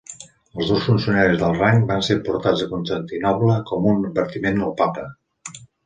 Els dos funcionaris d'alt rang van ser portats a Constantinoble com un advertiment al papa.